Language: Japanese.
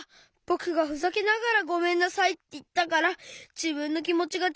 ぼくがふざけながら「ごめんなさい」っていったからじぶんのきもちがちゃんとつたわらなかった！